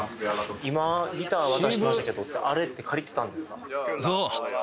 今ギター渡してましたけどあれって借りてたんですか？